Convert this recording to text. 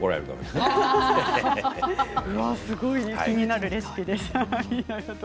すごく気になるレシピでした。